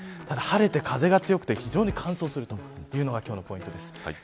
ただ、晴れて風が強くて非常に乾燥するというのが今日のポイントです。